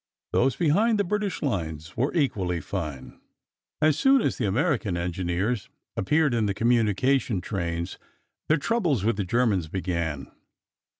Those behind the British lines were equally fine. As soon as the American engineers appeared in the communication trains, their troubles with the Germans began.